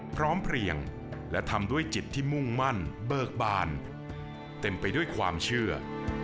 พร้อมเพลียงและทำด้วยจิตที่มุ่งมั่นเบิกบานเต็มไปด้วยความเชื่อ